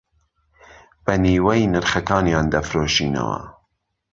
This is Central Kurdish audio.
بە نیوەی نرخەکانیان دەفرۆشینەوە